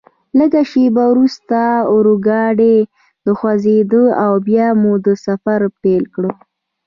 لږ شیبه وروسته اورګاډي وخوځېدل او بیا مو سفر پیل کړ.